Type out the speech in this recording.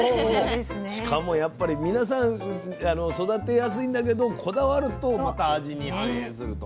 しかもやっぱり皆さん育てやすいんだけどこだわるとまた味に反映すると。